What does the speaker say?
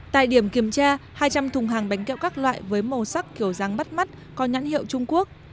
tại điểm kiểm tra hai trăm linh thùng hàng bánh kẹo các loại với màu sắc kiểu dáng bắt mắt có nhãn hiệu trung quốc